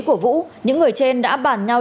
của vũ những người trên đã bàn nhau